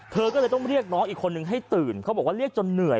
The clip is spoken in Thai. เธอก็เลยต้องเรียกน้องอีกคนนึงให้ตื่นเขาบอกว่าเรียกจนเหนื่อย